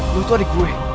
lu tuh adik gue